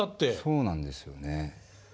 そうなんですよね。